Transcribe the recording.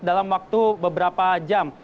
dalam waktu beberapa jam